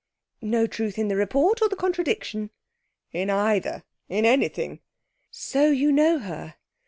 'No truth in the report? Or the contradiction?' 'In either. In anything.' 'So you know her.